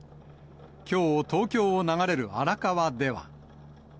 きょう、東京を流れる荒川では。